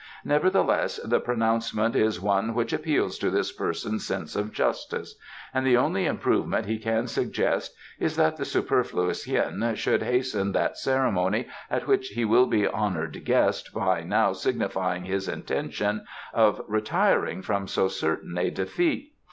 Nevertheless the pronouncement is one which appeals to this person's sense of justice, and the only improvement he can suggest is that the superfluous Hien should hasten that ceremony at which he will be an honoured guest by now signifying his intention of retiring from so certain a defeat.